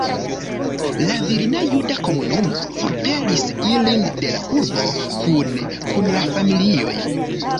La vilna juda komunumo forpelis ilin de la urbo kune kun la familioj.